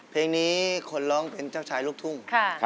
เพลงนี้คนร้องเป็นเจ้าชายลูกทุ่ง